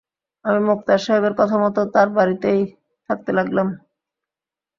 আমি মোক্তার সাহেবের কথামতো তাঁর বাড়িতেই থাকতে লাগলাম।